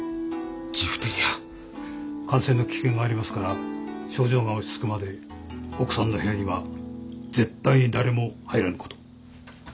感染の危険がありますから症状が落ち着くまで奥さんの部屋には絶対誰も入らんこと。